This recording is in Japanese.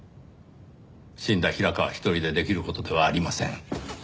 死んだ平川一人でできる事ではありません。